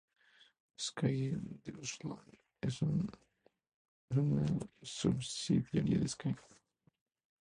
Sky Deutschland es una subsidiaria de Sky.